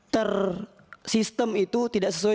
tersistem itu tidak sesuai